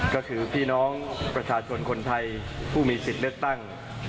ก็คือพี่น้องประชาชนคนไทยผู้มีสิทธิ์เลือกตั้ง